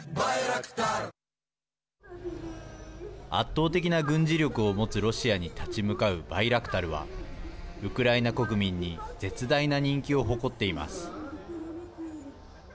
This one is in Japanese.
圧倒的な軍事力を持つロシアに立ち向かうバイラクタルはウクライナ国民に絶大な人気を誇っています。